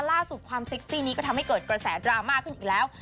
ล่าสุดความเซ็กซี่นี้ก็ทำให้เกิดกระแสดราม่าขึ้นอีกแล้ว